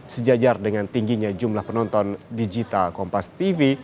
sejajar dengan tingginya jumlah penonton digital kompas tv